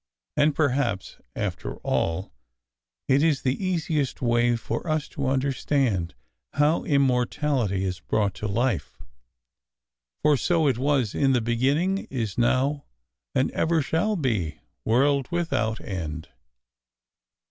And, perhaps, after all, it is the easiest way for us to un derstand how " immortality is brought to life," for so it was in the beginning, is now, and ever shall be, world without end.